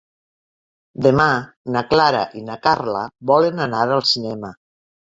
Demà na Clara i na Carla volen anar al cinema.